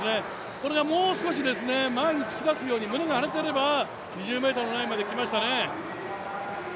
これがもう少し前に突き出すように胸が張れていれば２０ｍのラインまで来ましたね。